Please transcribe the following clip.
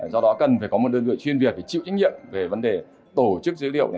do đó cần phải có một đơn vị chuyên việc phải chịu trách nhiệm về vấn đề tổ chức dữ liệu